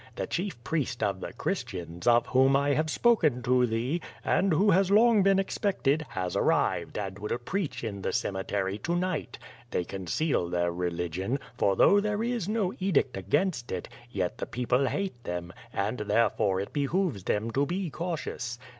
The chief priest of the Christians, of whom I have Bpoken to thee, and who has long been expected, has arrived, and will preach in this cemetery to night. They conceal their religion, for though there is no edict against it, yet the people hate them, and therefore it behooves them to be cautious.